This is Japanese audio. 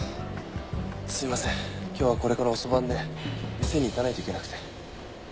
すいません今日はこれから遅番で店に行かないといけなくて。